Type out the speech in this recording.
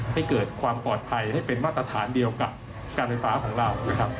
ให้เกิดความปลอดภัยให้เป็นมาตรฐานเดียวกับการไฟฟ้าของเรานะครับ